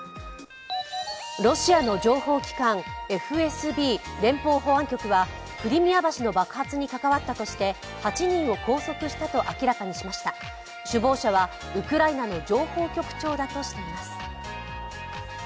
ロシアの情報機関ＦＳＢ＝連邦保安局はクリミア橋の爆発に関わったとして８人を拘束したと明らかにしました首謀者はウクライナの情報局長だとしています。